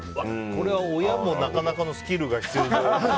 これは親もなかなかのスキルが必要ですね。